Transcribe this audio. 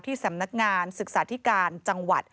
สำนักงานศึกษาธิการจังหวัด